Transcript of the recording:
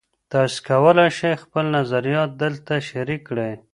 تاسي کولای شئ خپل نظریات دلته شریک کړئ.